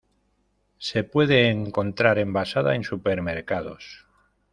Se puede encontrar envasada en supermercados.